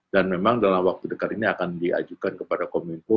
dan memang dalam waktu dekat ini akan diajukan kepada komunipu